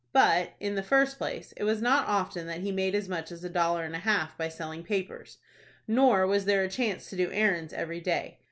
But, in the first place, it was not often that he made as much as a dollar and a half by selling papers, nor was there a chance to do errands every day.